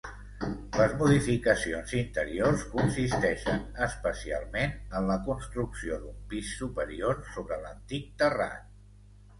Les modificacions interiors consisteixen especialment en la construcció d'un pis superior, sobre l'antic terrat.